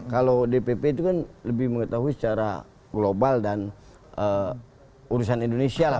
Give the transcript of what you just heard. kalau dpp itu kan lebih mengetahui secara global dan urusan indonesia lah